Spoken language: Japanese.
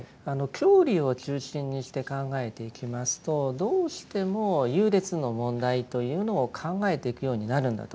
教理を中心にして考えていきますとどうしても優劣の問題というのを考えていくようになるんだと思うんです。